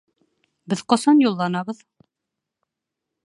Беҙ ҡасан юлланабыҙ?